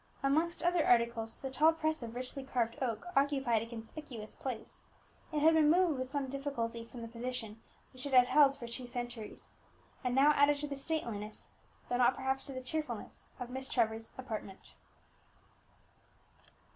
Amongst other articles, the tall press of richly carved oak occupied a conspicuous place; it had been moved with some difficulty from the position which it had held for two centuries, and now added to the stateliness, though not perhaps to the cheerfulness, of Miss Trevor's apartment.